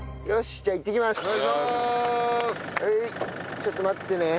ちょっと待っててね。